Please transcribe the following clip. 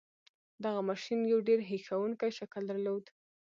دغه ماشين يو ډېر هیښوونکی شکل درلود.